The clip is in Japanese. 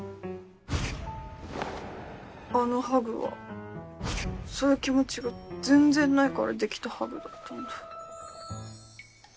あのハグはそういう気持ちが全然ないからできたハグだったんだ。